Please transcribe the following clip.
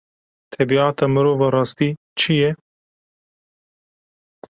Tebîata mirov a rastî çi ye?